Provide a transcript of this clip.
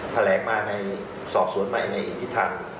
แผลมาในสอบสวนในอิทธิธรรม